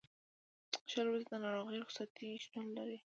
شل ورځې د ناروغۍ رخصتۍ شتون لري.